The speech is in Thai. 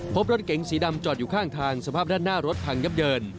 พบรถเก๋งสีดำจอดอยู่ข้างทางสภาพด้านหน้ารถพังยับเยิน